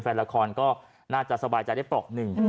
แฟนละครก็น่าจะสบายใจได้ปลอกหนึ่ง